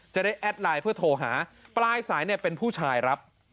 แอดไลน์เพื่อโทรหาปลายสายเนี่ยเป็นผู้ชายครับ